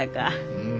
うん。